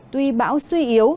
tuy bão suy yếu